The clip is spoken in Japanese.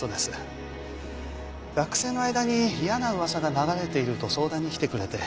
学生の間に嫌な噂が流れていると相談に来てくれて。